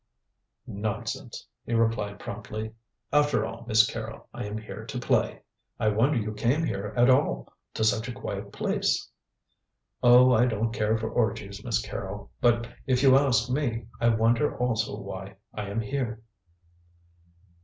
"Nonsense!" he replied promptly; "after all, Miss Carrol, I am here to play." "I wonder you came here at all to such a quiet place." "Oh, I don't care for orgies, Miss Carrol. But if you ask me, I wonder also why I am here."